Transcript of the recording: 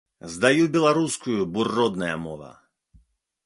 Здаю беларускую, бо родная мова.